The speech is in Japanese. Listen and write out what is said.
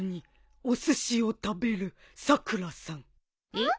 えっ？